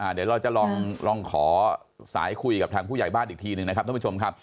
เดี๋ยวเราจะลองขอสายคุยกับทางผู้ใหญ่บ้านอีกทีหนึ่งนะครับท่านผู้ชมครับ